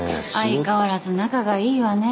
相変わらず仲がいいわね。